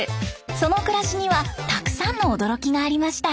その暮らしにはたくさんの驚きがありました。